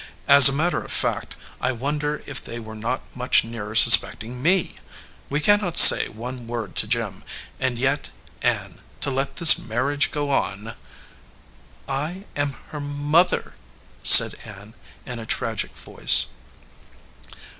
As a matter of fact, I wonder if they were not much nearer suspecting me. We cannot say one word to Jim, and yet, Ann, to let this marriage go on " "I am her mother," said Ann, in a tragic voice.